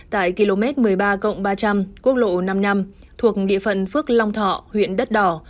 tại km một mươi ba ba trăm linh quốc lộ năm mươi năm thuộc địa phận phước long thọ huyện đất đỏ